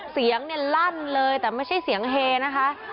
เสียงเนี่ยลั่นเลยแต่ไม่ใช่เสียงเฮนะคะ